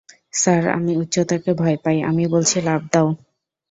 Sir, আমি উচ্চতাকে ভয় পাই - আমি বলছি লাফ দাও।